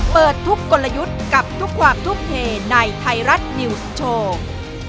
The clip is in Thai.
เปิดทุกกลยุทธ์กับทุกความทุ่มเทในไทยรัฐนิวส์โชว์